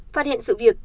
phát hiện sự việc